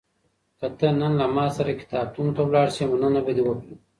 که ته نن له ما سره کتابتون ته لاړ شې، مننه به دې وکړم.